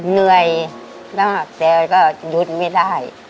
เหนื่อยมากแต่ก็หยุดไม่ได้